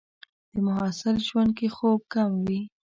د محصل ژوند کې خوب کم وي.